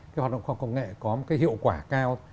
cái hoạt động khoa công nghệ có cái hiệu quả cao